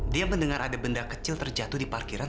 dia mendengar ada benda kecil terjatuh di parkiran